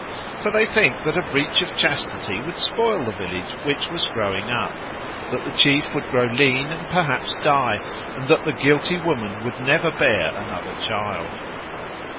For they think that a breach of chastity would spoil the village which was growing up, that the chief would grow lean and perhaps die, and that the guilty woman would never bear another child.